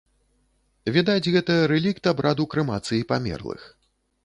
Відаць, гэта рэлікт абраду крэмацыі памерлых.